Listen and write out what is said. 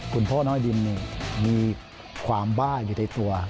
คุณพ่อน้อยดินนี่มีความบ้าอยู่ในตัว